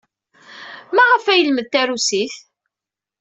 Maɣef ay yelmed tarusit?